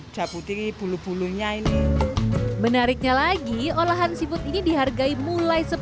cabut ini bulu bulunya ini menariknya lagi olahan seafood ini dihargai mulai